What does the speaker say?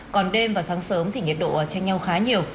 còn đêm và sáng sớm thì nhiệt độ tranh nhau khá nhiều